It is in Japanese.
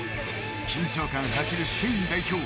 緊張感走るスペイン代表